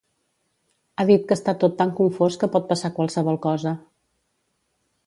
Ha dit que està tot tan confós que pot passar qualsevol cosa.